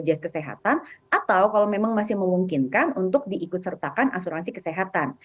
dalam bentuk bpjs kesehatan atau kalau memang masih memungkinkan untuk diikut sertakan asuransi kesehatan